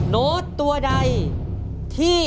โน้ตตัวใดที่